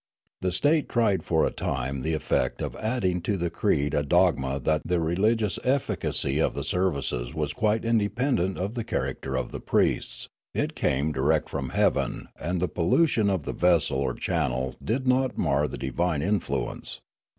The state tried for a time the effect of adding to the creed a dogma that the religious efficacy of the services was quite independent of the character of the priests ; it came direct from heaven, and the pollution of the vessel or channel did not mar the divine influence.